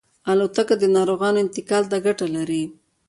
الوتکه د ناروغانو انتقال ته ګټه لري.